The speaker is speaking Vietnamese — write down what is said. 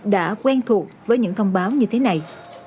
đã quen thuộc với những thông báo như thế này